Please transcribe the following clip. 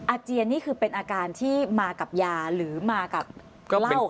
เจียนนี่คือเป็นอาการที่มากับยาหรือมากับเหล้า